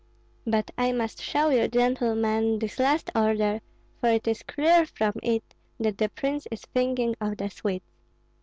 "But I must show you, gentlemen this last order, for it is clear from it that the prince is thinking of the Swedes."